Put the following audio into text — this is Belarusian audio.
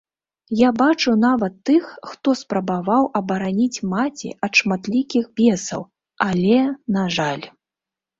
Я бачыў нават тых, хто спрабаваў абараніць маці ад шматлікіх бесаў, але, на жаль...